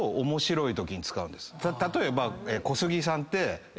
例えば。